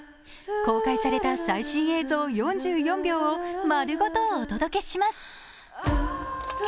公開された最新映像４４秒を丸ごとお届けします。